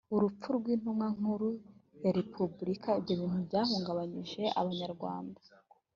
urupfu rw’intumwa nkuru ya repubulika ibyo bintu byahungabanyije abanyarwanda.